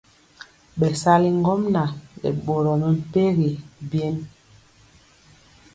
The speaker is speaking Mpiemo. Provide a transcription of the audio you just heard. Bɛsali ŋgomnaŋ nɛ boro mɛmpegi bɛnd.